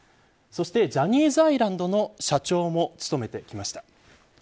そしてジャニーズアイランドの社長も務めてきました。